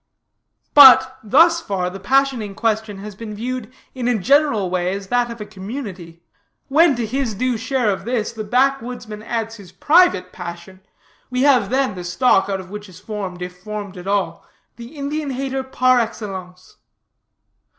"'But, thus far the passion in question has been viewed in a general way as that of a community. When to his due share of this the backwoodsman adds his private passion, we have then the stock out of which is formed, if formed at all, the Indian hater par excellence.'